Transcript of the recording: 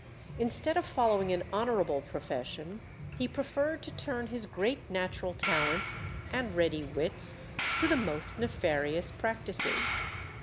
Instead of following an honourable profession, he preferred to turn his great natural talents and ready wits to the most nefarious practices.